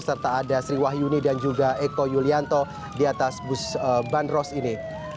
serta ada sri wahyuni dan juga eko yulianto di atas bus bandros ini